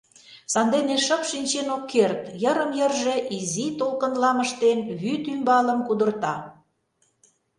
Сандене шып шинчен ок керт, йырым-йырже изи толкынлам ыштен, вӱд ӱмбалым кудырта.